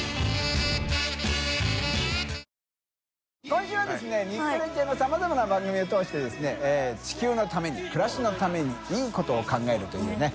今週はですね日テレ系のさまざまな番組を通してですね狼紊里燭瓩暮らしのためにいいことを考えるというね。